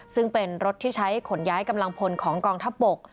ซึ่งเป็นรถที่ใช้ขนย้ายกำลังพลของกองทัพบก